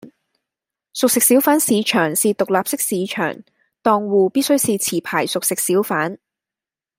熟食小販市場是獨立式市場，檔戶必須是持牌熟食小販